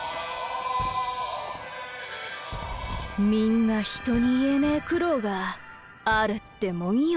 みんな人に言えねえ苦労があるってもんよ